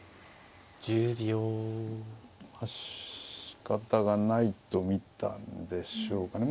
しかたがないと見たんでしょうかね。